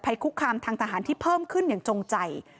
คุกคามทางทหารที่เพิ่มขึ้นอย่างจงใจ